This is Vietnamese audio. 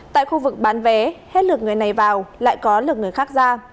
tại khu vực bán vé hết lượng người này vào lại có lượng người khác ra